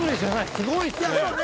すごいですね！